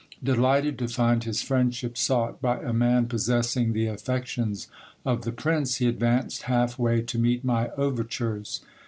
Delighted to find his friendship sought by a man possessing the affections of the prince, he advanced half way to meet my overtures.